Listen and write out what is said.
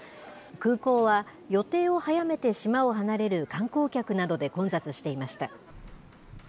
空港は、予定を早めて島を離れる観光客などで混雑していました。